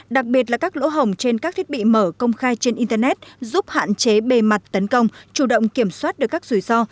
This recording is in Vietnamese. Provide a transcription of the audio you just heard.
đặc biệt là các lỗ hồng trên các thiết bị mở công khai trên internet giúp hạn chế bề mặt tấn công chủ động kiểm soát được các rủi ro